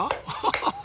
ハハハ！